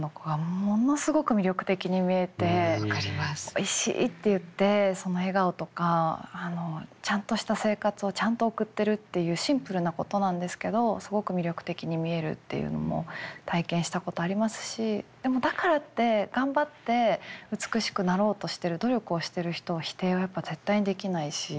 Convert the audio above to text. おいしい！って言ってその笑顔とかちゃんとした生活をちゃんと送ってるっていうシンプルなことなんですけどすごく魅力的に見えるっていうのも体験したことありますしでもだからって頑張って美しくなろうとしてる努力をしてる人を否定は絶対にできないし。